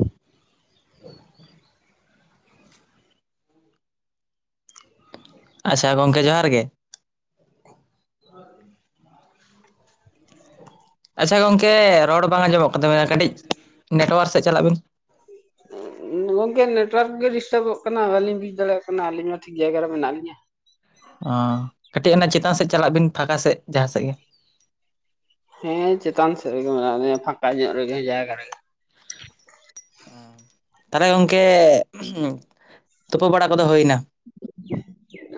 [inaudible] ᱟᱪᱪᱷᱟ ᱜᱚᱝᱠᱮ ᱡᱚᱦᱟᱨ ᱜᱮᱼᱼ ᱤᱱᱼᱚᱰᱤᱵᱮᱞ [inaudible] ᱟᱪᱪᱷᱟ ᱜᱚᱝᱠᱮ ᱨᱚᱲ ᱵᱟᱝ ᱟᱸᱡᱚᱢᱚᱜ ᱠᱟᱱ ᱛᱟᱵᱮᱱᱟ ᱠᱟᱹᱴᱤᱡ ᱱᱮᱴᱣᱟᱨᱠ ᱥᱮᱫ ᱪᱟᱞᱟᱜ ᱵᱤᱱᱼᱼ ᱜᱚᱝᱠᱮ ᱱᱮᱴᱣᱟᱨᱠ ᱜᱮ ᱰᱤᱥᱴᱟᱵᱚᱜ ᱠᱟᱱᱟ ᱵᱟᱞᱤᱧ ᱵᱩᱡ ᱫᱟᱲᱮᱭᱟᱜ ᱠᱟᱱᱟ ᱟᱹᱞᱤᱧ ᱢᱟ ᱴᱷᱤᱠ ᱡᱟᱭᱜᱟ ᱨᱮ ᱢᱮᱱᱟᱜ ᱞᱤᱧᱟᱹ ᱚᱻ ᱠᱟᱹᱴᱤᱡ ᱚᱱᱟ ᱪᱮᱛᱟᱱ ᱥᱮᱫ ᱪᱟᱞᱟᱜ ᱵᱤᱱ ᱯᱷᱟᱸᱠᱟ ᱥᱮᱫ ᱡᱟᱦᱟᱸ ᱥᱮᱫ ᱜᱮᱼᱼ ᱦᱮᱸ ᱪᱮᱛᱟᱱ ᱥᱮᱫ ᱨᱮ ᱜᱮ ᱢᱮᱱᱟᱜ ᱞᱤᱧᱟᱹ ᱯᱷᱟᱸᱠᱟ ᱧᱚᱜ ᱨᱮᱜᱮ, ᱡᱟᱭᱜᱟ ᱨᱮᱜᱮ ᱛᱟᱞᱦᱮ ᱜᱚᱝᱠᱮ ᱛᱩᱯᱩ ᱵᱟᱲᱟ ᱠᱚᱫᱚ ᱦᱩᱭᱱᱟ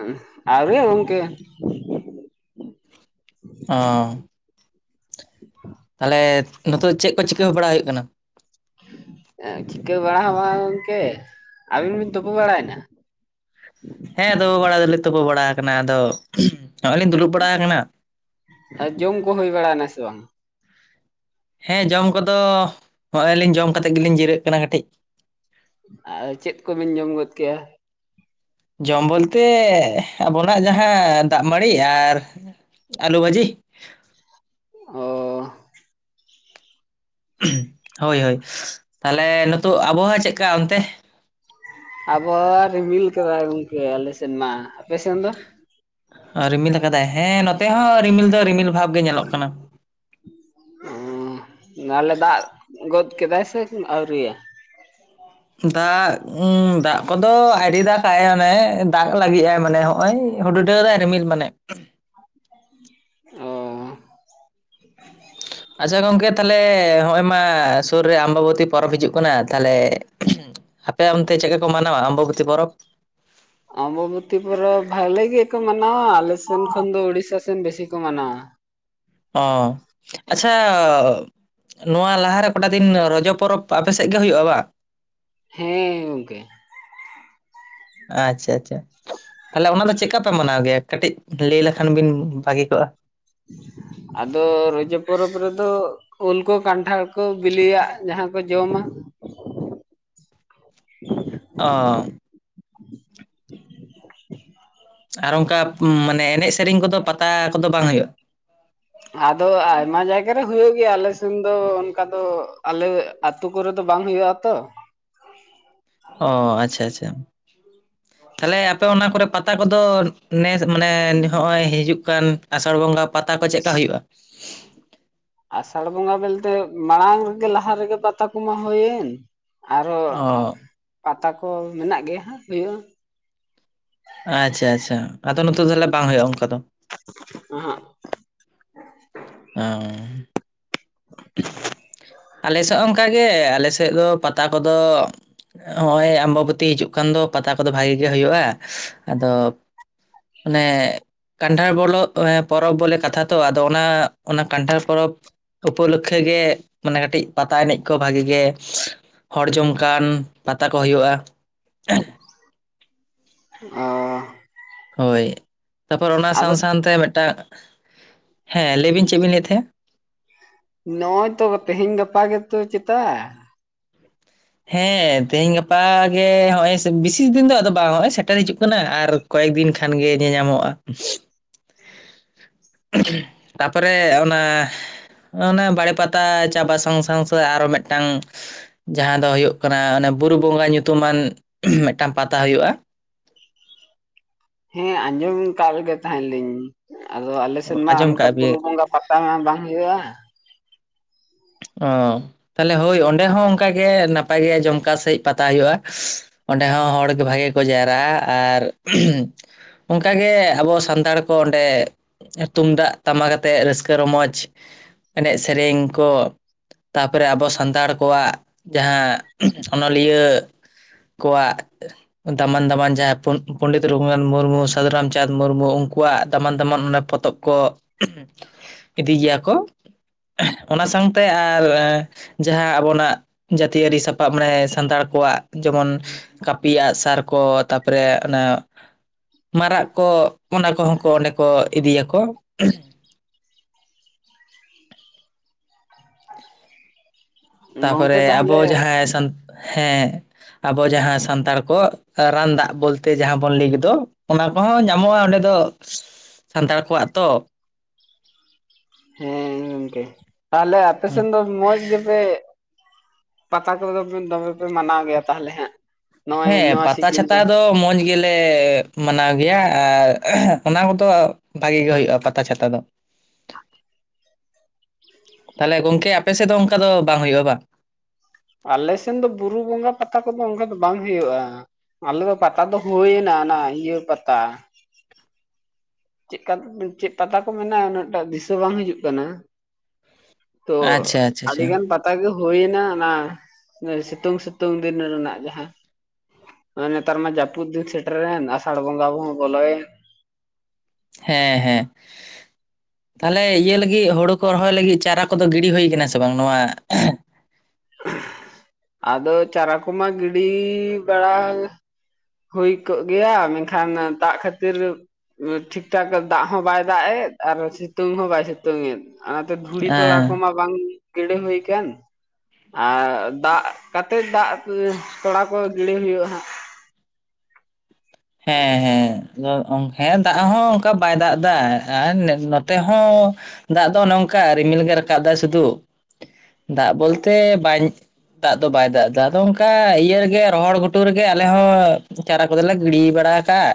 ᱮᱸᱦ ᱟᱣᱨᱤᱭᱟ ᱜᱚᱝᱠᱮ ᱚᱸᱻ ᱛᱟᱞᱦᱮ ᱱᱚᱛᱮ ᱫᱚ ᱪᱮᱫ ᱠᱚ ᱪᱤᱠᱟᱹ ᱵᱟᱲᱟ ᱦᱩᱭᱩᱜ ᱠᱟᱱᱟ? ᱪᱷᱤᱠᱟᱹ ᱵᱟᱲᱟ ᱦᱚᱸ ᱵᱟᱝ ᱜᱚᱝᱠᱮ ᱟᱹᱵᱤᱱ ᱵᱤᱱ ᱛᱩᱯᱩ ᱵᱟᱲᱟᱭᱱᱟ [inaudible] ᱦᱮᱸ ᱟᱫᱚ ᱛᱳᱯᱳ ᱵᱟᱲᱟ ᱫᱚᱞᱮ ᱛᱳᱯᱳ ᱵᱟᱲᱟᱣ ᱠᱟᱱᱟ ᱟᱫᱚ ᱱᱚᱜᱼᱚᱭ ᱞᱤᱧ ᱫᱩᱲᱩᱵ ᱵᱟᱲᱟᱣ ᱠᱟᱱᱟ ᱟ ᱡᱚᱢ ᱠᱚ ᱦᱩᱭ ᱵᱟᱲᱟᱭᱱᱟ ᱥᱮ ᱵᱟᱝ? ᱦᱮᱸ ᱡᱚᱢ ᱠᱚᱫᱚ ᱱᱚᱜᱼᱚᱭ ᱞᱤᱧ ᱡᱚᱢ ᱠᱟᱛᱮᱫ ᱜᱮᱞᱤᱧ ᱡᱤᱨᱟᱹᱜ ᱠᱟᱱᱟ ᱠᱟᱹᱴᱤᱡᱼᱼ ᱟ ᱪᱮᱫ ᱠᱚ ᱵᱤᱱ ᱡᱚᱢ ᱜᱚᱫ ᱠᱮᱜᱼᱟ? ᱡᱚᱢ ᱵᱚᱞ ᱛᱮ ᱟᱵᱚᱱᱟᱜ ᱡᱟᱦᱟᱸ ᱫᱟᱜ ᱢᱟᱹᱲᱤ ᱟᱨ ᱟᱹᱞᱩ ᱵᱷᱟᱹᱡᱤ ᱚᱻᱚ ᱩᱸᱦ ᱦᱳᱭ ᱦᱳᱭ ᱛᱟᱞᱦᱮ ᱱᱤᱛᱳᱜ ᱟᱵᱚᱦᱟᱣᱟ ᱪᱮᱜᱠᱟ ᱚᱱᱛᱮ? ᱟᱵᱚᱦᱟᱣᱟ ᱨᱤᱢᱤᱞ ᱠᱟᱫᱟᱭ ᱜᱚᱝᱠᱮ ᱟᱞᱮ ᱥᱮᱱ ᱢᱟ ᱟᱯᱮ ᱥᱮᱱ ᱫᱚ? ᱨᱤᱢᱤᱞ ᱟᱠᱟᱫᱟᱭ ᱦᱮᱸ ᱱᱚᱛᱮ ᱦᱚᱸ ᱨᱤᱢᱤᱞ ᱫᱚ ᱨᱤᱢᱤᱞ ᱵᱷᱟᱵ ᱜᱮ ᱧᱮᱞᱚᱜ ᱠᱟᱱᱟ ᱩᱸ ᱛᱟᱦᱞᱮ ᱫᱟᱜ ᱜᱚᱫ ᱠᱮᱫᱟᱭ ᱥᱮ ᱟᱹᱣᱨᱤᱭᱟ? ᱫᱟᱜ ᱫᱟᱜ ᱠᱚ ᱫᱚ ᱟᱭᱨᱤ ᱫᱟᱜᱟᱭ ᱚᱱᱮ ᱫᱟᱜ ᱞᱟᱹᱜᱤᱫ ᱟᱭ ᱢᱟᱱᱮ ᱦᱚᱜᱼ ᱚᱭ ᱼᱼ ᱦᱩᱰ ᱦᱩᱰᱟᱹᱣ ᱫᱟᱭ ᱨᱤᱢᱤᱞ ᱢᱟᱱᱮᱼᱼ ᱚᱻ ᱟᱪᱪᱷᱟ ᱜᱚᱝᱠᱮ ᱛᱟᱦᱞᱮ ᱱᱚᱜᱼᱚᱭ ᱢᱟ ᱥᱩᱨ ᱨᱮ ᱟᱸᱢᱵᱟᱵᱚᱛᱤ ᱯᱚᱨᱚᱵᱽ ᱦᱤᱡᱩᱜ ᱠᱟᱱᱟ ᱛᱟᱦᱞᱮᱼᱼ ᱟᱯᱮ ᱚᱱᱛᱮ ᱪᱮᱫ ᱠᱟ ᱠᱚ ᱢᱟᱱᱟᱣᱟ ᱟᱸᱢᱵᱚᱵᱚᱛᱤ ᱯᱚᱨᱚᱵᱽ? ᱟᱸᱢᱵᱟᱵᱚᱛᱤ ᱯᱩᱨᱚᱵᱽ ᱵᱷᱟᱞᱮ ᱜᱮᱠᱚ ᱢᱟᱱᱟᱣᱟ ᱟᱞᱮ ᱥᱮᱱ ᱠᱷᱚᱱ ᱫᱚ ᱩᱲᱤᱥᱥᱟ ᱥᱮᱱ ᱵᱮᱥᱤ ᱠᱚ ᱢᱟᱱᱟᱣᱟ᱾ ᱚ ᱟᱪᱪᱷᱟ ᱱᱚᱣᱟ ᱞᱟᱦᱟ ᱨᱮ ᱠᱚᱴᱟ ᱫᱤᱱ ᱨᱚᱡᱚ ᱯᱚᱨᱚᱵᱽᱼᱼ ᱚ ᱟᱯᱮ ᱥᱮᱫ ᱜᱮ ᱦᱩᱭᱩᱜᱼᱟ ᱵᱟ? ᱦᱮᱸ ᱜᱚᱝᱠᱮ ᱟᱪᱪᱷᱟ ᱟᱪᱪᱷᱟ ᱛᱟᱞᱦᱮ ᱚᱱᱟ ᱫᱚ ᱪᱮᱫᱠᱟ ᱯᱮ ᱢᱟᱱᱟᱣ ᱜᱮᱭᱟ ᱠᱟᱹᱴᱤᱡ ᱞᱟᱹᱭ ᱞᱮᱠᱷᱟᱱ ᱵᱤᱱ ᱵᱷᱟᱹᱜᱤ ᱠᱚᱜᱼᱟ ᱟᱫᱚ ᱨᱚᱡᱚ ᱯᱚᱨᱚᱵᱽ ᱨᱮ ᱫᱚ ᱩᱞ ᱠᱚ ᱠᱟᱸᱱᱴᱷᱟᱲᱼᱼ ᱠᱚ ᱵᱤᱞᱤᱭᱟᱜ ᱡᱟᱦᱟᱸ ᱠᱚ ᱡᱚᱢ ᱟ ᱚ ᱤᱱ ᱼᱚᱰᱤᱵᱮᱞ [unintelligible] ᱟᱨ ᱚᱱᱠᱟ ᱢᱟᱱᱮ ᱮᱱᱮᱡ ᱥᱮᱨᱮᱧ ᱠᱚᱫᱚ ᱯᱟᱛᱟ ᱠᱚᱫᱚ ᱵᱟᱝ ᱦᱩᱭᱩᱜ-ᱟ᱾ ᱟᱫᱚ ᱟᱭᱢᱟ ᱡᱟᱭᱜᱟ ᱨᱮ ᱦᱩᱭᱩᱜ ᱜᱮᱭᱟ ᱟᱞᱮ ᱥᱮᱱ ᱫᱚ ᱚᱱᱠᱟ ᱫᱚ ᱟᱞᱮ ᱟᱹᱛᱩ ᱠᱚᱨᱮᱫ ᱫᱚ ᱵᱟᱝ ᱦᱩᱭᱩᱜ-ᱟ ᱛᱚ ᱚ ᱟᱪᱪᱷᱟ ᱟᱪᱪᱷᱟ ᱛᱟᱦᱚᱞᱮ ᱟᱯᱮ ᱚᱱᱟ ᱠᱚᱨᱮ ᱯᱟᱛᱟ ᱠᱚᱫᱚ ᱱᱮᱥ ᱢᱟᱱᱮ ᱱᱚᱜ-ᱚᱭ ᱦᱤᱡᱩᱜ ᱠᱟᱱ ᱟᱥᱟᱲ ᱵᱚᱸᱜᱟ ᱯᱟᱛᱟ ᱠᱚ ᱪᱮᱫᱠᱟ ᱦᱩᱭᱩᱜ-ᱟ᱾ ᱟᱥᱟᱲ ᱵᱚᱸᱜᱟ ᱵᱚᱞᱛᱮ, ᱢᱟᱲᱟᱝ ᱨᱮᱜᱮ ᱞᱟᱦᱟ ᱨᱮᱜᱮ ᱯᱟᱛᱟ ᱠᱚᱢᱟ ᱦᱩᱭᱮᱱ ᱟᱨᱚ ᱚ ᱯᱟᱛᱟ ᱠᱚ ᱢᱮᱱᱟᱜ ᱜᱮᱭᱟ ᱦᱟᱜ ᱦᱩᱭᱩᱜ-ᱟ᱾ ᱟᱪᱪᱷᱟ ᱟᱪᱪᱷᱟ ᱟᱫᱚ ᱱᱚᱛᱮ ᱫᱚ ᱛᱟᱦᱮ ᱵᱟᱝ ᱦᱩᱭᱩᱜ-ᱟ᱾ ᱚᱱᱠᱟ ᱫᱚ ᱮᱦᱮ ᱚᱻ ᱟᱞᱮ ᱥᱮᱫ ᱦᱚᱸ ᱚᱱᱠᱟ ᱜᱮ ᱟᱞᱮ ᱥᱮᱫ ᱫᱚ ᱯᱟᱛᱟ ᱠᱚᱫᱚ ᱱᱚᱜ-ᱚᱭ ᱟᱢᱵᱟᱵᱚᱛᱤ ᱦᱤᱡᱩᱜ ᱠᱟᱱ ᱫᱚ ᱯᱟᱛᱟ ᱠᱚᱫᱚ ᱵᱷᱟᱜᱤ ᱜᱮ ᱦᱩᱭᱩᱜ-ᱟ ᱟᱫᱚ ᱢᱟᱱᱮ ᱠᱟᱱᱴᱷᱟᱲ ᱵᱚᱞᱚ ᱯᱚᱨᱚᱵᱽ ᱵᱚᱞᱮ ᱠᱟᱛᱷᱟ ᱛᱚ ᱟᱫᱚ ᱚᱱᱟ ᱚᱱᱟ ᱠᱟᱱᱴᱷᱟᱲ ᱯᱚᱨᱚᱵ ᱩᱯᱚᱞᱚᱠᱷᱮ ᱜᱮ ᱢᱟᱱᱮ ᱠᱟᱹᱴᱤᱡ, ᱯᱟᱛᱟ ᱮᱱᱮᱡ ᱠᱚ ᱵᱷᱟᱜᱮ ᱜᱮ ᱦᱚᱲ ᱡᱚᱢᱠᱟᱱ ᱯᱟᱛᱟ ᱠᱚ ᱦᱩᱭᱩᱜ-ᱟ᱾ ᱚ ᱦᱳᱭ ᱛᱟᱯᱚᱨ ᱚᱱᱟ ᱟᱫᱚ ᱥᱟᱶ ᱥᱟᱶᱛᱮ ᱢᱤᱫᱴᱟᱝ ᱦᱮᱸ ᱞᱟᱹᱭ ᱵᱤᱱ ᱪᱮᱫ ᱵᱤᱱ ᱞᱟᱹᱭ ᱮᱫ ᱛᱟᱦᱮᱸᱫ ᱱᱚᱜ-ᱚᱭ ᱛᱚ ᱛᱮᱦᱮᱧ ᱜᱟᱯᱟ ᱜᱮᱛᱚ ᱪᱮᱛᱟᱜ ᱦᱮᱸ ᱛᱮᱦᱮᱧ ᱜᱟᱯᱟ ᱜᱮ ᱱᱚ-ᱚᱭ ᱵᱤᱥᱤ ᱫᱤᱱ ᱫᱚ ᱟᱫᱚ ᱵᱟᱝ ᱦᱚᱜ ᱱᱚ-ᱚᱭ ᱥᱮᱴᱮᱨ ᱦᱤᱡᱩᱜ ᱠᱟᱱᱟ ᱟᱨ ᱠᱚᱭᱮᱠ ᱫᱤᱱ ᱠᱷᱟᱱ ᱜᱮ ᱧᱮᱧᱟᱢᱚᱜ-ᱟ᱾ ᱦᱮᱸ [inaudible] ᱛᱟᱯᱚᱨᱮ ᱚᱱᱟ ᱚᱱᱮ ᱵᱟᱲᱮ ᱯᱟᱛᱟ ᱪᱟᱵᱟ, ᱥᱟᱝ ᱥᱟᱶᱛᱮ ᱟᱨᱚ ᱢᱤᱫᱴᱟᱝ ᱡᱟᱦᱟᱸ ᱫᱚ ᱦᱩᱭᱩᱜ ᱠᱟᱱᱟ ᱚᱱᱮ ᱵᱩᱨᱩ ᱵᱚᱸᱜᱟ ᱧᱩᱛᱩᱢ ᱟᱱ ᱢᱤᱫᱴᱟᱝ ᱯᱟᱛᱟ ᱦᱩᱭᱩᱜ-ᱟ᱾ ᱦᱮᱸ ᱟᱸᱡᱚᱢ ᱠᱟᱜ ᱜᱮ ᱛᱟᱦᱮᱸ ᱞᱤᱧ ᱟᱫᱚ ᱟᱞᱮ ᱥᱮᱫ ᱢᱟ ᱟᱸᱡᱚᱢ ᱚᱱᱠᱟ ᱠᱟᱜ ᱵᱤᱱ ᱵᱩᱨᱩ ᱵᱚᱸᱜᱟ ᱯᱟ ᱛᱟ ᱢᱟ ᱵᱟᱝ ᱦᱩᱭᱩᱜ-ᱟ᱾ ᱚ ᱛᱟᱦᱚᱞᱮ ᱦᱳᱭ ᱚᱸᱰᱮ ᱦᱚᱸ ᱚᱱᱠᱟᱜᱮ ᱱᱟᱯᱟᱭ ᱜᱮ ᱡᱚᱢᱠᱟᱣ ᱥᱟᱺᱦᱤᱡ ᱯᱟᱛᱟ ᱦᱩᱭᱩᱜ-ᱟ᱾ ᱚᱸᱰᱮ ᱦᱚᱸ ᱦᱚᱲ ᱵᱷᱟᱜᱮ ᱠᱚ ᱡᱟᱣᱨᱟ ᱟ ᱟᱨ ᱚᱱᱠᱟᱜ ᱜᱮ ᱟᱵᱚ ᱥᱟᱱᱛᱟᱲ ᱠᱚ ᱚᱸᱰᱮ ᱛᱩᱢᱫᱟᱜ ᱴᱟᱢᱟᱠ ᱟᱛᱮᱜ ᱨᱟᱹᱥᱠᱟᱹ ᱨᱚᱢᱚᱡ ᱮᱱᱮᱡ ᱥᱮᱨᱮᱧ ᱠᱚ ᱛᱟᱯᱚᱨᱮ ᱟᱵᱚ ᱥᱟᱱᱛᱟᱲ ᱠᱚᱣᱟᱜ ᱡᱟᱦᱟᱸ ᱚᱱᱚᱞᱤᱭᱟᱹ ᱠᱚᱣᱟᱜ ᱫᱟᱢᱟᱱ ᱫᱟᱢᱟᱱ ᱡᱟᱦᱟᱸᱭ ᱯᱚᱱᱰᱤᱛ ᱨᱚᱜᱷᱩᱱᱟᱛᱷ ᱢᱩᱨᱢᱩ ᱟᱹᱫᱷᱩ ᱨᱟᱢᱪᱟᱸᱫᱽ ᱢᱩᱨᱢᱩ ᱩᱱᱠᱩᱣᱟᱜ ᱫᱟᱢᱟᱱ ᱫᱟᱢᱟᱱ ᱚᱱᱟ ᱯᱚᱛᱚᱵ ᱠᱚ ᱤᱫᱤ ᱜᱮᱭᱟ ᱠᱚ ᱚᱱ ᱥᱟᱝ ᱛᱮ ᱟᱨ ᱡᱟᱦᱟᱸ ᱟᱵᱚᱱᱟᱜ ᱡᱟᱹᱛᱤᱭᱟᱹᱨᱤ ᱥᱟᱯᱟᱵ ᱢᱟᱱᱮ ᱥᱟᱱᱛᱟᱲ ᱠᱚᱣᱟᱜ ᱡᱮᱢᱚᱱ ᱠᱟᱹᱯᱤ ᱟᱸᱜ ᱥᱟᱨ ᱠᱚ ᱛᱟᱨᱯᱚᱨᱮ ᱚᱱᱟ ᱢᱟᱨᱟᱜ ᱠᱚ ᱚᱱᱟ ᱠᱚᱦᱚᱸ ᱠᱚ ᱚᱸᱰᱮ ᱠᱚ ᱤᱫᱤᱭᱟ ᱠᱚ ᱜᱚᱝᱠᱮ ᱛᱟᱯᱚᱨᱮ ᱟᱵᱚ ᱛᱟᱦᱚᱞᱮ ᱡᱟᱦᱟᱸᱭ ᱦᱮᱸ ᱟᱵᱚ ᱡᱟᱦᱟᱸ ᱥᱟᱱᱛᱟᱲ ᱠᱚ ᱨᱟᱱ ᱫᱟᱜ ᱵᱚᱞᱛᱮ ᱡᱟᱦᱟᱸ ᱵᱚᱱ ᱞᱮ ᱜᱮᱫᱚ ᱚᱱᱟ ᱠᱚᱦᱚᱸ ᱧᱟᱢᱚᱜ-ᱟ ᱚᱸᱰᱮ ᱫᱚ ᱥᱟᱱᱛᱟᱲ ᱠᱚᱣᱟᱜ ᱛᱚ ᱦᱮᱸ ᱜᱚᱝᱠᱮ ᱛᱟᱦᱚᱞᱮ ᱟᱯᱮᱥᱮᱱ ᱫᱚ ᱢᱚᱸᱡᱽ ᱜᱮᱯᱮ ᱯᱟᱛᱟ ᱠᱚᱫᱚ ᱫᱚᱢᱮ ᱯᱮ ᱢᱟᱱᱟᱣ ᱜᱮᱭᱟ ᱛᱟᱦᱚᱞᱮ ᱦᱟᱸᱜ ᱱᱚᱜᱼᱚᱭ ᱦᱮᱸ ᱱᱚᱣᱟ ᱯᱟᱛᱟ ᱥᱤᱡᱤᱱ ᱪᱷᱟᱛᱟ ᱨᱮ ᱫᱚ ᱢᱚᱸᱡᱽ ᱜᱮ ᱞᱮ ᱢᱟᱱᱟᱣ ᱜᱮᱭᱟ ᱟᱨ ᱚᱱᱟ ᱠᱚᱫᱚ ᱵᱷᱟᱜᱤ ᱜᱮ ᱦᱩᱭᱩᱜ-ᱟ᱾ ᱯᱟᱛᱟ ᱪᱷᱟᱛᱟ ᱫᱚ ᱛᱟᱦᱚᱞᱮ ᱜᱚᱝᱠᱮ ᱟᱯᱮ ᱥᱮᱫ ᱫᱚ ᱚᱱᱠᱟ ᱫᱚ ᱵᱟᱝ ᱦᱩᱭᱩᱜ-ᱟ ᱵᱟᱝ ᱟᱞᱮ ᱥᱮᱱ ᱫᱚ ᱵᱩᱨᱩ ᱵᱚᱸᱜᱟ ᱯᱟᱛᱟ ᱠᱚᱫᱚ ᱚᱱᱠᱟ ᱫᱚ ᱵᱟᱝ ᱦᱩᱭᱩᱜ-ᱟ᱾ ᱟᱞᱮ ᱫᱚ ᱯᱟᱛᱟ ᱫᱚ ᱦᱩᱭᱱᱟ ᱱᱟ ᱤᱭᱟᱹ ᱯᱟᱛᱟ᱾ ᱪᱮᱫ ᱪᱮᱫ ᱯᱟᱛᱟ ᱠᱚ ᱢᱮᱱᱟ ᱩᱱᱟᱹᱜ ᱴᱟ ᱫᱤᱥᱟᱹ ᱵᱟᱝ ᱦᱤᱡᱩᱜ ᱠᱟᱱᱟ᱾ ᱛᱚ ᱟᱪᱪᱷᱟ ᱟᱪᱪᱷᱟ ᱟᱹᱰᱤ ᱟᱪᱪᱷᱟ ᱜᱟᱱ ᱯᱟᱛᱟ ᱜᱮᱼᱼ ᱦᱩᱭ ᱱᱟ ᱚᱱᱟ ᱥᱤᱛᱩᱝ ᱥᱤᱛᱩᱝ ᱫᱤᱱ ᱨᱮᱱᱟᱜ ᱡᱟᱦᱟᱸᱼᱼ ᱱᱮᱛᱟᱨ ᱢᱟ ᱡᱟᱹᱯᱩᱫ ᱫᱤᱱ ᱥᱮᱴᱮᱨ ᱮᱱ ᱟᱥᱟᱲ ᱵᱚᱸᱜᱟ ᱦᱚᱸ ᱵᱚᱞᱚᱭᱮᱱ, ᱦᱮᱸ ᱦᱮᱸ ᱛᱟᱦᱚᱞᱮ ᱤᱭᱟᱹ ᱞᱟᱹᱜᱤᱫ ᱦᱳᱲᱳᱼᱼ ᱠᱚ ᱨᱚᱦᱚᱭ ᱞᱟᱹᱜᱤᱫ ᱪᱟᱨᱟ ᱠᱚᱫᱚ ᱜᱤᱰᱤ ᱦᱩᱭ ᱟᱠᱟᱱᱟ ᱥᱮ ᱵᱟᱝ ᱱᱚᱣᱟᱼᱼ ᱟᱫᱚ ᱪᱟᱨᱟ ᱠᱚᱢᱟ ᱜᱤᱰᱤ ᱵᱟᱲᱟ ᱦᱩᱭ ᱠᱚᱜ ᱜᱮᱭᱟ ᱢᱮᱱᱠᱷᱟᱱ ᱫᱟᱜ ᱠᱷᱟᱹᱛᱤᱨ ᱴᱷᱤᱠ ᱴᱷᱟᱠ ᱫᱟᱜ ᱦᱚᱸ ᱵᱟᱭ ᱫᱟᱜ ᱮᱫ ᱟᱨ ᱥᱤᱛᱩᱝ ᱦᱚᱸ ᱵᱟᱭ ᱥᱤᱛᱩᱝᱼᱼ ᱛᱚᱝ ᱮᱫ ᱚᱱᱟᱛᱮ ᱫᱷᱩᱲᱤ ᱛᱚᱲᱟ ᱦᱮᱸ ᱠᱚᱢᱟᱼᱼ ᱵᱟᱝ ᱜᱤᱰᱤ ᱦᱩᱭ ᱟᱠᱟᱱ ᱟᱨ ᱫᱟᱜ ᱠᱟᱛᱮ ᱫᱟᱜᱼᱼ ᱠᱚ ᱠᱚᱲᱟ ᱠᱚ ᱜᱤᱰᱤ ᱦᱩᱭᱩᱜᱼᱟ, ᱦᱟᱸᱜ ᱦᱮᱸ ᱦᱮᱸ [unintelligible] ᱦᱮᱸ ᱫᱟᱜ ᱦᱚᱸ ᱚᱱᱠᱟ ᱵᱟᱭ ᱫᱟᱜ ᱮᱫᱟ ᱟᱨ ᱱᱚᱛᱮ ᱦᱚᱸᱼᱼ ᱫᱟᱜ ᱫᱚ ᱱᱚᱝᱠᱟ ᱨᱤᱢᱤᱞ ᱜᱮ ᱨᱟᱠᱟᱵ ᱫᱟᱭ ᱥᱩᱫᱷᱩ ᱫᱟᱜ ᱵᱚᱞᱛᱮ ᱵᱟᱧᱼᱼ ᱫᱟᱜ ᱫᱚ ᱵᱟᱭ ᱫᱟᱜ ᱮᱫᱟ ᱟᱫᱚ ᱚᱱᱠᱟ ᱤᱭᱟᱹ ᱨᱮᱜᱮ ᱨᱚᱦᱚᱲ ᱜᱷᱩᱴᱩ ᱨᱮᱜᱮ, ᱟᱞᱮ ᱦᱚᱸ ᱪᱟᱨᱟ ᱠᱚᱫᱚ ᱞᱮᱼᱼ ᱜᱤᱰᱤ ᱵᱟᱲᱟ ᱟᱠᱟᱜᱼᱟ᱾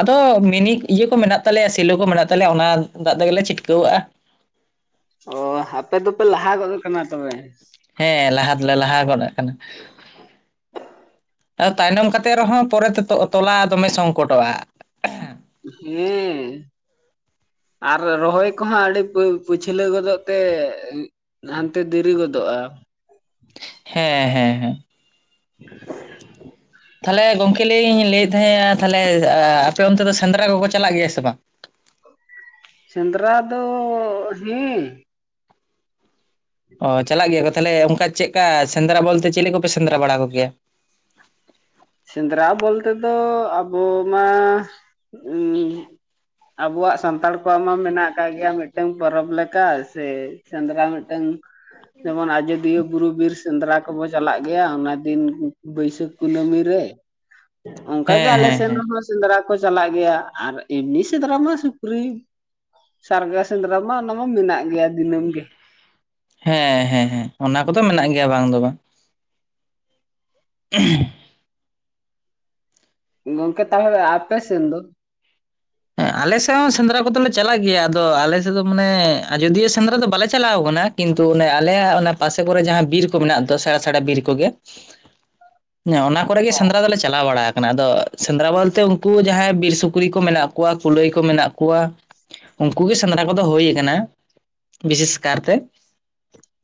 ᱟᱫᱚ ᱢᱮᱱᱤ ᱤᱭᱟᱹ ᱠᱚ ᱢᱮᱱᱟᱜ ᱛᱟᱞᱮᱭᱟ ᱥᱮᱞᱚ ᱠᱚ ᱢᱮᱱᱟᱜ ᱛᱟᱞᱮᱭᱟ ᱚᱱᱟ ᱫᱟᱜ ᱛᱮᱜᱮ ᱪᱷᱤᱴᱠᱟᱹᱣᱟᱜᱼᱟ᱾ ᱚ ᱟᱯᱮ ᱫᱚᱯᱮ ᱞᱟᱦᱟ ᱜᱚᱫ ᱟᱠᱟᱱᱟ ᱛᱚᱵᱮ? ᱦᱮᱸ ᱞᱟᱦᱟ ᱫᱚ ᱞᱮ ᱞᱟᱦᱟ ᱜᱚᱫ ᱟᱠᱟᱱᱟ᱾ ᱛᱟᱭᱱᱚᱢ ᱠᱟᱛᱮ ᱨᱮᱦᱚᱸ ᱯᱚᱨᱮᱛᱮ ᱛᱚᱞᱟ ᱫᱚᱢᱮ ᱥᱚᱝᱠᱚᱴᱚᱜᱼᱟ᱾ ᱦᱮᱸ ᱟᱨ ᱨᱚᱦᱚᱭ ᱠᱚᱦᱚᱸ ᱟᱹᱰᱤ ᱯᱟᱹᱪᱷᱞᱟᱹᱣ ᱜᱚᱫᱚᱜ ᱛᱮᱼᱼ ᱦᱟᱱᱛᱮ ᱫᱮᱨᱤ ᱜᱚᱫᱚᱜᱼᱟ᱾ ᱦᱮᱸ ᱦᱮᱸ ᱦᱮᱸ [inaudible] ᱛᱟᱦᱞᱮ ᱜᱚᱝᱠᱮ ᱞᱤᱧ ᱞᱟᱹᱭ ᱮᱫ ᱛᱟᱦᱮᱸᱱᱟ ᱛᱟᱦᱞᱮ ᱟᱯᱮ ᱚᱱᱛᱮ ᱫᱚ ᱥᱮᱸᱫᱽᱨᱟ ᱠᱚᱠᱚ ᱪᱟᱞᱟᱜ ᱜᱮᱭᱟ ᱥᱮ ᱵᱟᱝ? ᱥᱮᱸᱫᱽᱨᱟ ᱫᱚ ᱦᱮᱸ ᱚ ᱪᱟᱞᱟᱜ ᱜᱮᱭᱟ ᱠᱚ ᱛᱟᱦᱚᱞᱮ ᱚᱱᱠᱟ ᱪᱮᱫ ᱞᱮᱠᱟ ᱥᱮᱸᱫᱽᱨᱟ ᱵᱚᱞᱛᱮ ᱪᱮᱫ ᱠᱚᱯᱮ ᱥᱮᱸᱫᱽᱨᱟ ᱵᱟᱲᱟ ᱠᱚᱜᱮᱭᱟ? ᱥᱮᱸᱫᱽᱨᱟ ᱵᱚᱞᱛᱮ ᱫᱚ ᱟᱵᱚ ᱢᱟ ᱟᱵᱚᱣᱟᱜ ᱥᱟᱱᱛᱟᱲ ᱠᱚᱣᱟᱜ ᱢᱟ ᱢᱮᱱᱟᱜ ᱟᱠᱟᱫ ᱜᱮᱭᱟ ᱢᱤᱫᱴᱟ ᱢᱤᱫᱴᱟᱝ ᱯᱚᱨᱚᱵᱽ ᱞᱮᱠᱟ ᱥᱮ ᱥᱮᱸᱫᱽᱨᱟ ᱢᱤᱫᱴᱟᱝ ᱡᱮᱢᱚᱱ ᱟᱡᱚᱫᱤᱭᱟᱹ ᱵᱩᱨᱩ ᱵᱤᱨ ᱥᱮᱸᱫᱽᱨᱟ ᱠᱚᱵᱚ ᱪᱟᱞᱟᱜ ᱜᱮᱭᱟ ᱚᱱᱟ ᱫᱤᱱ ᱵᱟᱹᱭᱥᱟᱹᱠᱷ ᱠᱩᱱᱟᱹᱢᱤᱼᱼ ᱨᱮ ᱚᱱᱠᱟ ᱜᱮ ᱦᱮᱸ ᱟᱞᱮ ᱦᱮᱸ ᱥᱮᱱ ᱦᱮᱸ ᱦᱚᱸ ᱥᱮᱸᱫᱽᱨᱟ ᱠᱚ ᱪᱟᱞᱟᱜ ᱜᱮᱭᱟ ᱟᱨ ᱮᱢᱱᱤ ᱥᱮᱸᱫᱽᱨᱟ ᱢᱟ ᱥᱩᱠᱨᱤ ᱥᱟᱨᱜᱟ ᱥᱮᱸᱫᱽᱨᱟ ᱢᱟ ᱚᱱᱟ ᱢᱟ ᱢᱮᱱᱟᱜ ᱜᱮᱭᱟ᱾ ᱫᱤᱱᱟᱹᱢ ᱜᱮᱼᱼ ᱦᱮᱸ ᱦᱮᱸ ᱦᱮᱸ ᱚᱱᱟ ᱠᱚᱫᱚ ᱢᱮᱱᱟᱜ ᱜᱮᱭᱟ ᱵᱟᱝ ᱫᱚ ᱵᱟᱝ᱾ ᱦ [unintelligible] ᱜᱚᱢᱠᱮ ᱛᱟᱦᱮ ᱟᱯᱮ ᱥᱮᱱ ᱫᱚ? ᱦᱮᱸ ᱟᱞᱮ ᱥᱮᱫ ᱦᱚᱸ ᱥᱮᱸᱫᱽᱨᱟ ᱠᱚᱫᱚᱞᱮ ᱪᱟᱞᱟᱜ ᱜᱮᱭᱟ ᱟᱫᱚ ᱟᱞᱮ ᱥᱮᱫ ᱫᱚ ᱢᱟᱱᱮ ᱟᱡᱚᱫᱤᱭᱟᱹ ᱥᱮᱸᱫᱽᱨᱟ ᱫᱚ ᱵᱟᱞᱮ ᱪᱟᱞᱟᱣ ᱟᱠᱟᱱᱟ ᱠᱤᱱᱛᱩ ᱚᱱᱮ ᱟᱞᱮ ᱚᱱᱟ ᱯᱟᱥᱮ ᱠᱚᱨᱮ ᱡᱟᱦᱟᱸ ᱵᱤᱨ ᱠᱚ ᱢᱮᱱᱟᱜ ᱥᱮᱬᱟ ᱥᱮᱬᱟ ᱵᱤᱨ ᱠᱚᱜᱮᱼᱼ ᱚᱱᱟ ᱠᱚᱨᱮ ᱜᱮ ᱥᱮᱸᱫᱽᱨᱟ ᱫᱚᱞᱮ ᱪᱟᱞᱟᱣ ᱵᱟᱲᱟ ᱟᱠᱟᱱᱟ ᱟᱫᱚ ᱥᱮᱸᱫᱽᱨᱟ ᱵᱚᱞᱛᱮ ᱩᱱᱠᱩ ᱡᱟᱦᱟᱸᱭ ᱵᱤᱨ ᱥᱩᱠᱨᱤ ᱠᱚ ᱢᱮᱱᱟᱜ ᱠᱚᱼᱼ ᱠᱩᱶᱟ ᱠᱩᱞᱟᱹᱭ ᱠᱚ ᱢᱮᱱᱟᱜ ᱠᱚᱣᱟ ᱩᱱᱠᱩ ᱜᱮ ᱥᱮᱸᱫᱽᱨᱟ ᱠᱚᱫᱚ ᱦᱩᱭ ᱟᱠᱟᱱᱟ ᱵᱤᱥᱮᱥ ᱠᱟᱨ ᱛᱮ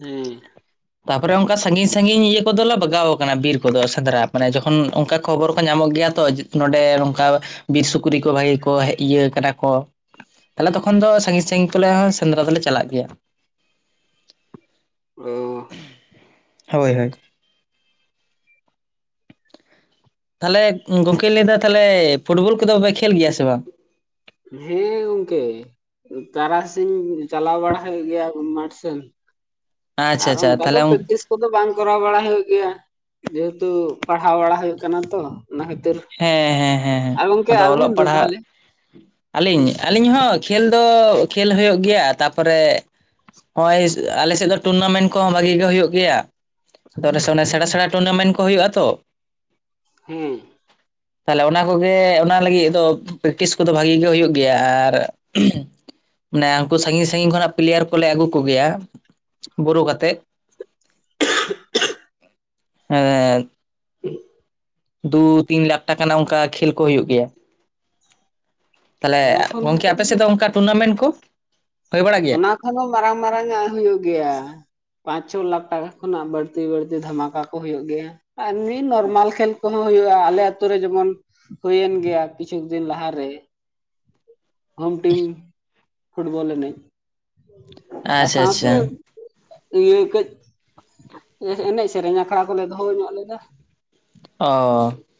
ᱦᱮᱸ [inaudible] ᱛᱟᱯᱚᱨᱮ ᱚᱱᱠᱟ ᱥᱟᱺᱜᱤᱧ ᱥᱟᱺᱜᱤᱧ ᱤᱭᱟᱹ ᱠᱚᱫᱚᱞᱮ ᱵᱟᱜᱟᱣ ᱟᱠᱟᱱᱟ ᱵᱤᱨ ᱠᱚᱫᱚ ᱥᱮᱸᱫᱽᱨᱟ ᱢᱟᱱᱮ ᱡᱚᱠᱷᱚᱱ ᱚᱱᱠᱟ ᱠᱷᱚᱵᱚᱨ ᱠᱚ ᱧᱟᱢᱚᱜ ᱜᱮᱭᱟ ᱛᱚᱼᱼ ᱱᱚᱸᱰᱮ ᱱᱚᱝᱠᱟ ᱵᱤᱨ ᱥᱩᱠᱨᱤ ᱠᱚ ᱵᱷᱟᱜᱤ ᱠᱚ ᱦᱮᱡ ᱤᱭᱟᱹ ᱠᱟᱱᱟ ᱠᱚ ᱛᱟᱦᱞᱮ ᱛᱚᱠᱷᱚᱱ ᱫᱚ ᱥᱟᱺᱜᱤᱧ ᱥᱟᱺᱜᱤᱧ ᱛᱮᱞᱮ ᱥᱮᱸᱫᱽᱨᱟ ᱫᱚᱞᱮ ᱪᱟᱞᱟᱜ ᱜᱮᱭᱟ᱾ ᱚᱻ ᱦᱳᱭ ᱦᱳᱭ᱾ ᱛᱟᱦᱚᱞᱮ ᱜᱚᱝᱠᱮᱧ ᱞᱟᱹᱭ ᱫᱟ ᱛᱟᱦᱚᱞᱮ ᱯᱷᱩᱴᱵᱚᱞ ᱠᱚᱫᱚᱯᱮ ᱠᱷᱮᱞ ᱜᱮᱭᱟ ᱥᱮ ᱵᱟᱝ? ᱦᱮᱸ ᱜᱚᱝᱠᱮ ᱛᱟᱨᱟᱥᱤᱧ। ᱪᱟᱞᱟᱣ ᱵᱟᱲᱟ ᱦᱩᱭᱩᱜ ᱜᱮᱭᱟ ᱢᱟᱴᱷ ᱥᱮᱱ ᱟᱪᱪᱷᱟ ᱟᱨ ᱟᱪᱪᱷᱟ ᱚᱱᱠᱟ ᱫᱚ ᱛᱟᱦᱚᱞᱮ ᱯᱮᱠᱴᱤᱥ᱾ ᱠᱚᱫᱚ ᱵᱟᱝ ᱠᱚᱨᱟᱣ ᱵᱟᱲᱟ ᱦᱩᱭᱩᱜ ᱜᱮᱭᱟ ᱡᱮᱦᱮᱛᱩ ᱯᱟᱲᱦᱟᱣ ᱵᱟᱲᱟ ᱦᱩᱭᱩᱜ ᱠᱟᱱᱟ ᱛᱚ ᱚᱱᱟ ᱠᱷᱟᱹᱛᱤᱨ᱾ ᱦᱮᱸ ᱦᱮᱸ ᱦᱮᱸ ᱟᱨ ᱜᱚᱝᱠᱮ ᱟᱫᱚ ᱚᱞᱚᱜ ᱟᱹᱵᱤᱱ ᱫᱚ ᱯᱟᱲᱦᱟᱜᱼᱼ ᱛᱟᱦᱚᱞᱮ ᱟᱹᱞᱤᱧ ᱟᱹᱞᱤᱧ ᱦᱚᱸ ᱠᱷᱮᱞ ᱫᱚ ᱠᱷᱮᱞ ᱦᱳᱭᱳᱜ ᱜᱮᱭᱟ ᱛᱟᱯᱚᱨᱮᱼᱼ ᱱᱚᱜ ᱚᱭ ᱟᱞᱮ ᱥᱮᱫ ᱫᱚ ᱴᱩᱨᱱᱟᱢᱮᱱᱴ ᱠᱚᱦᱚᱸ ᱵᱷᱟᱜᱤ ᱜᱮ ᱦᱩᱭᱩᱜ ᱜᱮᱭᱟ᱾ ᱟᱫᱚ ᱟᱞᱮ ᱥᱮᱱ ᱚᱱᱟ ᱥᱮᱬᱟ ᱥᱮᱬᱟ ᱴᱩᱨᱱᱟᱢᱮᱱᱴ ᱠᱚ ᱦᱩᱭᱩᱜᱼᱟ ᱛᱚ᱾ ᱦᱮᱸ᱾ ᱛᱟᱦᱞᱮ ᱚᱱᱟ ᱠᱚᱜᱮ ᱚᱱᱟ ᱞᱟᱹᱜᱤᱫ ᱫᱚ ᱯᱮᱠᱴᱤᱥ ᱠᱚᱫᱚ ᱵᱷᱟᱜᱤ ᱜᱮ ᱦᱩᱭᱩᱜ ᱜᱮᱭᱟ, ᱟᱨᱼᱼ ᱢᱟᱱᱮ ᱩᱱᱠᱩ ᱥᱟᱺᱜᱤᱧ ᱥᱟᱺᱜᱤᱧ ᱠᱷᱚᱱᱟᱜ ᱯᱞᱮᱭᱟᱨ ᱠᱚᱞᱮ ᱟᱹᱜᱩ ᱠᱚ ᱜᱮᱭᱟ ᱵᱳᱨᱳ ᱠᱟᱛᱮᱫ᱾ [unintelligible] ᱦᱮᱸ ᱫᱩ ᱛᱤᱱ ᱞᱟᱠᱷ ᱴᱟᱠᱟ ᱨᱮᱱᱟᱜ ᱚᱱᱠᱟ ᱠᱷᱮᱞ ᱠᱚ ᱦᱩᱭᱩᱜ ᱜᱮᱭᱟ᱾ ᱛᱟᱦᱞᱮ ᱚᱱᱟ ᱠᱷᱚᱱ ᱜᱚᱝᱠᱮ ᱦᱚᱸᱛᱚ ᱟᱯᱮ ᱥᱮᱫ ᱫᱚ ᱚᱱᱠᱟ ᱴᱩᱨᱱᱟᱢᱮᱱᱴ ᱠᱚ? ᱦᱩᱭ ᱵᱟᱲᱟᱜ ᱜᱮᱭᱟ ᱚᱱᱟ ᱠᱷᱚᱱ ᱦᱚᱸ ᱢᱟᱨᱟᱝ ᱢᱟᱨᱟᱝ ᱟᱜ ᱦᱩᱭᱩᱜ ᱜᱮᱭᱟ᱾ ᱯᱟᱸᱪ ᱪᱷᱚ ᱞᱟᱠᱷ ᱴᱟᱠᱟ ᱠᱷᱚᱱᱟᱜ ᱵᱟᱹᱲᱛᱤ ᱵᱟᱹᱲᱛᱤ ᱫᱷᱟᱢᱟᱠᱟ ᱠᱚ ᱦᱩᱭᱩᱜ ᱜᱮᱭᱟ ᱟᱨ ᱮᱢᱱᱤ ᱱᱚᱨᱢᱟᱞ ᱠᱷᱮᱞ ᱠᱚ᱾ ᱦᱚᱸ ᱦᱩᱭᱩᱜᱼᱟ ᱟᱞᱮ ᱟᱛᱳ ᱨᱮ ᱡᱮᱢᱚᱱ ᱦᱩᱭᱳᱮᱱ ᱜᱮᱭᱟ ᱠᱤᱪᱷᱩᱠ ᱫᱤᱱ ᱞᱟᱦᱟᱨᱮ᱾ ᱦᱳᱢ ᱴᱤᱢ ᱯᱷᱩᱴᱵᱚᱞ ᱮᱱᱮᱡ ᱟᱨ ᱟᱪᱪᱷᱟ ᱥᱟᱶᱛᱮᱼᱼ ᱟᱪᱪᱷᱟ ᱤᱭᱟᱹ ᱠᱟᱹᱡᱼᱼ ᱮᱱᱮᱡ ᱥᱮᱨᱮᱧ ᱟᱠᱷᱲᱟ ᱠᱚᱞᱮ ᱫᱚᱦᱚ ᱧᱚᱜ ᱞᱮᱫᱟ᱾ ᱚᱻ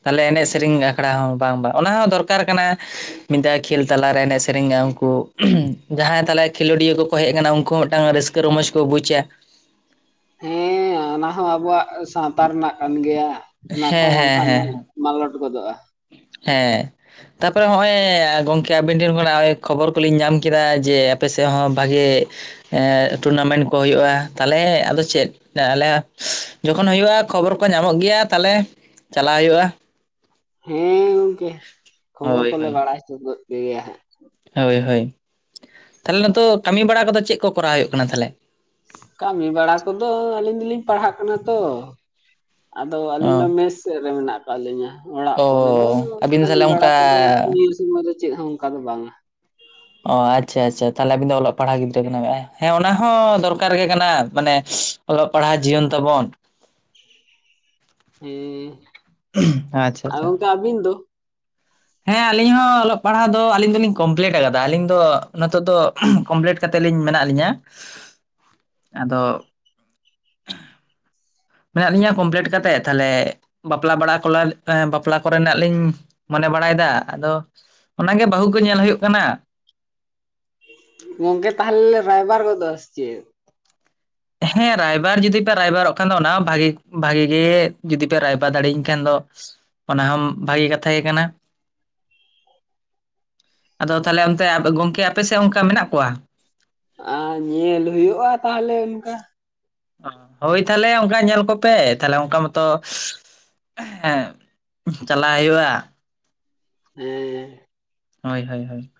ᱛᱟᱦᱞᱮ ᱮᱱᱮᱡ ᱥᱮᱨᱮᱧ ᱟᱠᱷᱲᱟ ᱦᱚᱸ ᱵᱟᱝ ᱵᱟᱝ ᱚᱱᱟ ᱦᱚᱸ ᱫᱚᱨᱠᱟᱨ ᱠᱟᱱᱟ ᱢᱤᱫ ᱫᱷᱟᱣ ᱠᱷᱮᱞ ᱛᱟᱞᱟᱨᱮ ᱮᱱᱮᱡ ᱥᱮᱨᱮᱧᱟ ᱩᱱᱠᱩᱼᱼ ᱡᱟᱦᱟᱸᱭ ᱛᱟᱞᱮ ᱠᱷᱮᱞᱳᱰᱤᱭᱟᱹ ᱠᱚᱠᱚ ᱦᱮᱡ ᱟᱠᱟᱱᱟ ᱩᱱᱠᱩ ᱦᱚᱸ ᱢᱤᱫᱴᱟᱝ ᱨᱟᱹᱥᱠᱟᱹ ᱨᱚᱢᱚᱡ ᱠᱚ ᱵᱩᱡᱟ᱾ ᱦᱮᱸ ᱚᱱᱟ ᱦᱚᱸ ᱟᱵᱚᱣᱟᱜ ᱥᱟᱶᱛᱟ ᱨᱮᱱᱟᱜ ᱠᱟᱱ ᱜᱮᱭᱟ ᱚᱱᱟ ᱦᱮᱸ ᱠᱚᱦᱚᱸ ᱦᱮᱸ ᱵᱟᱝᱠᱷᱟᱱᱼᱼ ᱦᱮᱸ ᱢᱟᱞᱚᱴ ᱜᱚᱫᱚᱜᱼᱟ᱾ ᱦᱮᱸ ᱛᱟᱯᱚᱨᱮ ᱦᱚᱜᱼᱚᱭ ᱜᱚᱝᱠᱮᱼᱼ ᱟᱹᱵᱤᱱ ᱴᱷᱮᱱ ᱠᱷᱚᱱᱟᱜ ᱠᱷᱚᱵᱚᱨ ᱠᱚᱞᱤᱧ ᱧᱟᱢ ᱠᱮᱫᱟ ᱡᱮ ᱟᱯᱮ ᱥᱮᱫ ᱦᱚᱸ ᱵᱷᱟᱜᱮᱼᱼ ᱮᱜ ᱴᱩᱨᱱᱟᱢᱮᱱᱴ ᱠᱚ ᱦᱩᱭᱩᱜᱼᱟ, ᱛᱟᱦᱚᱞᱮ ᱟᱫᱚ ᱪᱮᱫ ᱟᱞᱮᱼᱼ ᱡᱚᱠᱷᱚᱱ ᱦᱩᱭᱩᱜᱼᱟ, ᱠᱷᱚᱵᱚᱨ ᱠᱚ ᱧᱟᱢᱚᱜ ᱜᱮᱭᱟ ᱛᱟᱦᱚᱞᱮ ᱪᱟᱞᱟᱣ ᱦᱩᱭᱩᱜᱼᱟ᱾ ᱦᱮᱸ ᱜᱚᱝᱠᱮ ᱠᱷᱚᱵᱚᱨ ᱦᱳᱭ ᱠᱚᱞᱮ ᱦᱳᱭ ᱵᱟᱲᱟᱭ ᱦᱚᱪᱚ ᱯᱮᱜᱮᱭᱟ ᱦᱟᱸᱜ᱾ ᱦᱳᱭ ᱦᱳᱭ, ᱛᱟᱦᱚᱞᱮ ᱱᱤᱛᱚᱜ ᱠᱟᱹᱢᱤ ᱵᱟᱲᱟ ᱠᱚᱫᱚ ᱪᱮᱫ ᱠᱚ ᱠᱚᱨᱟᱣ ᱦᱩᱭᱩᱜ ᱠᱟᱱᱟ ᱛᱟᱦᱚᱞᱮ? ᱠᱟᱹᱢᱤ ᱵᱟᱲᱟ ᱠᱚᱫᱚ, ᱟᱹᱞᱤᱧ ᱫᱚᱞᱤᱧ ᱯᱟᱲᱦᱟᱜ ᱠᱟᱱᱟ ᱛᱚ᱾ ᱟᱫᱚ ᱟᱹᱞᱤᱧ ᱢᱟ ᱚ ᱢᱮᱥ ᱥᱮᱫ ᱨᱮ ᱢᱮᱱᱟᱜ ᱟᱠᱟᱜ ᱞᱤᱧᱟ ᱚᱲᱟᱜ ᱚ ᱠᱚᱨᱮ ᱫᱚ ᱟᱹᱵᱤᱱ ᱫᱚ ᱠᱟᱹᱢᱤ ᱛᱟᱦᱚᱞᱮ ᱵᱟᱲᱟ ᱚᱱᱠᱟ ᱠᱚᱫᱚᱼᱼ ᱥᱚᱢᱚᱭ ᱫᱚ ᱪᱮᱫ ᱦᱚᱸ ᱚᱱᱠᱟ ᱫᱚ ᱵᱟᱝᱟ᱾ ᱚ ᱟᱪᱷᱟ ᱟᱪᱷᱟ ᱛᱟᱦᱞᱮ ᱟᱵᱤᱱ ᱫᱚ ᱚᱞᱚᱜ ᱯᱟᱲᱦᱟᱜ ᱜᱤᱫᱽᱨᱟᱹ ᱠᱟᱱᱟ ᱵᱤᱱ, ᱦᱮᱸ ᱚᱱᱟ ᱦᱚᱸ ᱫᱚᱨᱠᱟᱨ ᱜᱮ ᱠᱟᱱᱟ, ᱢᱟᱱᱮᱼᱼ ᱚᱞᱚᱜ ᱯᱟᱲᱦᱟᱜ ᱡᱤᱭᱚᱱ ᱛᱟᱵᱚᱱ᱾ ᱦᱮᱸ, ᱟᱪᱪᱷᱟ ᱟᱨ ᱟᱪᱪᱷᱟ ᱜᱚᱝᱠᱮ ᱟᱹᱵᱤᱱ ᱫᱚ? ᱦᱮᱸ ᱟᱞᱤᱧ ᱦᱚᱸ ᱚᱞᱚᱜ ᱯᱟᱲᱦᱟᱜ ᱫᱚ ᱟᱞᱤᱧ ᱫᱚᱞᱤᱧ ᱠᱚᱢᱯᱞᱤᱴ ᱟᱠᱟᱫᱟ, ᱟᱞᱤᱧ ᱫᱚ ᱱᱤᱛᱚᱜ ᱫᱚ ᱠᱚᱢᱯᱞᱤᱴ᱾ ᱠᱟᱛᱮᱫ ᱞᱤᱧ ᱢᱮᱱᱟᱜ ᱞᱤᱧᱟᱹ ᱟᱫᱚᱼᱼ [inaudible] ᱢᱮᱱᱟᱜ ᱞᱤᱧᱟᱹ ᱠᱚᱢᱯᱞᱤᱴ ᱠᱟᱛᱮᱫ᱾ ᱛᱟᱦᱞᱮ ᱵᱟᱯᱞᱟ ᱵᱟᱲᱟ ᱠᱚ ᱵᱟᱯᱞᱟ ᱠᱚᱨᱮᱱᱟᱜ ᱞᱤᱧ ᱢᱚᱱᱮ ᱵᱟᱲᱟᱭᱮᱫᱟ, ᱟᱫᱚᱼᱼ ᱚᱱᱟ ᱜᱮ ᱵᱟᱹᱦᱩ ᱠᱚ ᱧᱮᱞ ᱦᱩᱭᱩᱜ ᱠᱟᱱᱟ᱾ ᱜᱚᱝᱠᱮ, ᱛᱟᱦᱚᱞᱮ ᱞᱮ ᱨᱟᱭᱵᱟᱨ ᱜᱚᱫᱚᱜ ᱟᱥᱮ ᱪᱮᱫ? ᱦᱮᱸ ᱨᱟᱭᱵᱟᱨ ᱡᱩᱫᱤ ᱯᱮ ᱨᱟᱭᱵᱟᱨᱚᱜ ᱠᱷᱟᱱ ᱫᱚ ᱚᱱᱟ ᱵᱷᱟᱜᱤ ᱵᱷᱟᱜᱤ ᱜᱮ ᱡᱩᱫᱤ ᱯᱮ ᱨᱟᱭᱵᱟᱨ ᱫᱟᱲᱮᱭᱟᱹᱧ ᱠᱷᱟᱱ ᱫᱚ᱾ ᱚᱱᱟ ᱦᱚᱸ ᱵᱷᱟᱜᱮ ᱠᱟᱛᱷᱟ ᱜᱮ ᱠᱟᱱᱟ᱾ ᱟᱫᱚ ᱛᱟᱦᱚᱞᱮ ᱚᱱᱛᱮ ᱜᱚᱝᱠᱮ ᱟᱯᱮ ᱥᱮᱫ ᱚᱱᱠᱟ ᱢᱮᱱᱟᱜ ᱠᱚᱣᱟ? ᱟ ᱧᱮᱞ ᱦᱩᱭᱩᱜᱼᱟ, ᱛᱟᱦᱚᱞᱮ ᱚᱱᱠᱟ᱾ ᱦᱳᱭ, ᱛᱟᱦᱚᱞᱮ ᱚᱱᱠᱟ ᱧᱮᱞ ᱠᱚᱯᱮ ᱛᱟᱦᱚᱞᱮ ᱚᱱᱠᱟ ᱢᱚᱛᱚ [unintelligible] ᱦᱮᱸ᱾ [unintelligible] ᱪᱟᱞᱟᱜ ᱦᱩᱭᱩᱜᱼᱟ᱾ ᱦᱮᱸ ᱦᱳᱭ, ᱦᱳᱭ, ᱦᱳᱭ ᱾